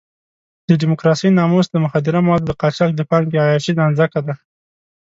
د ډیموکراسۍ ناموس د مخدره موادو د قاچاق د پانګې عیاشۍ نانځکه ده.